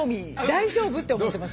「大丈夫？」って思ってます